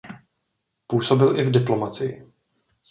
Působil i v diplomacii.